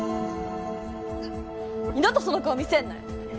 二度とその顔見せんなよ！